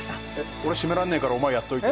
俺締めらんねえからおまえやっといて